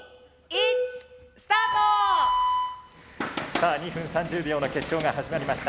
さあ２分３０秒の決勝が始まりました。